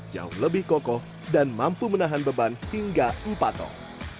jauh lebih kokoh dan mampu menahan beban hingga empat ton